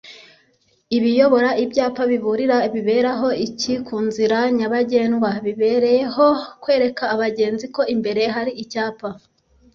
-ibiyobora Ibyapa biburira bibereho iki kunzira nyabagendwa?bibereyeho kwereka abagenzi ko imbere hari Icyapa